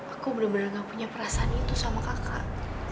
aku benar benar gak punya perasaan itu sama kakak